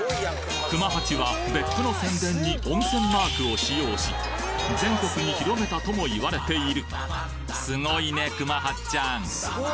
熊八は別府の宣伝に温泉マークを使用し全国に広めたとも言われているすごいね熊八っちゃん！